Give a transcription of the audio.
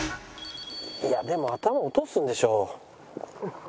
いやでも頭落とすんでしょ。